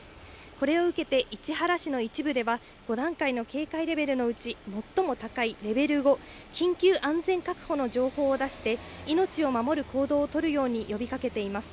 これを受けて市原市の一部では、５段階の警戒レベルのうち最も高いレベル５、緊急安全確保の情報を出して、命を守る行動を取るように呼びかけています。